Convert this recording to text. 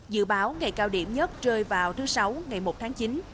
dự báo ngày cao điểm nhất rơi vào thứ sáu ngày một tháng chín